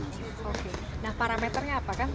oke nah parameternya apa kan